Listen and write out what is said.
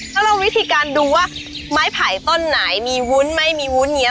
ก็ลองวิธีการดูว่าไม้ไผ่ต้นไหนมีวุ้นไม่มีวุ้นอย่างนี้